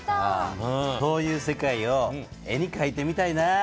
こういう世界を絵にかいてみたいな。